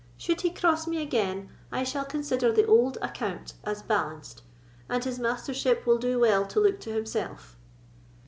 Should he cross me again, I shall consider the old accompt as balanced, and his Mastership will do well to look to himself."